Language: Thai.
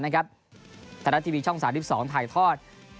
ทางด้านทีวีช่อง๓๒ไทยทอด